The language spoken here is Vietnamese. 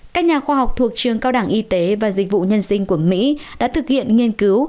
các nhà khoa học thuộc trường cao đẳng y tế và dịch vụ nhân sinh của mỹ đã thực hiện nghiên cứu